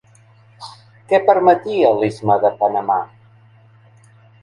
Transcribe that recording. Què permetia l'istme de Panamà?